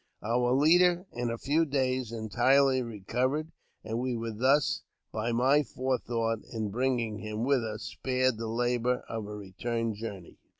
Our leader, in a few days, entirely recovered, and we were thus, by my forethought in bringing him with us, spared the labour of a return journey.